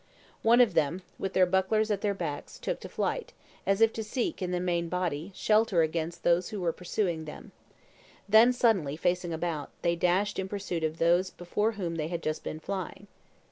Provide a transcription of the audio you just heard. One of them, with their bucklers at their backs, took to flight, as if to seek, in the main body, shelter against those who were pursuing them; then suddenly, facing about, they dashed out in pursuit of those before whom they had just been flying.